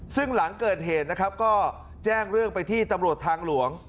ซึ่งหลังเกิดเหตุนะครับก็แจ้งเรื่องไปที่ตำรวจทางหลวง